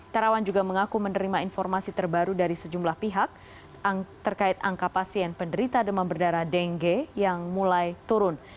terawan juga mengaku menerima informasi terbaru dari sejumlah pihak terkait angka pasien penderita demam berdarah dengue yang mulai turun